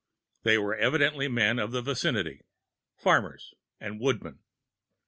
They were evidently men of the vicinity farmers and woodmen.